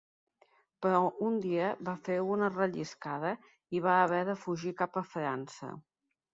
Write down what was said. Però un dia va fer una relliscada i va haver de fugir cap a França.